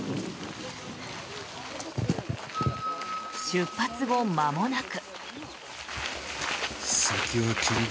出発後、まもなく。